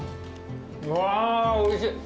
うわおいしい。